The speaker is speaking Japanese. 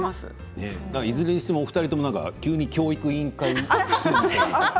いずれにしてもお二人とも急に教育委員会みたいな。